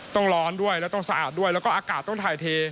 ร้อนด้วยแล้วต้องสะอาดด้วยแล้วก็อากาศต้องถ่ายเท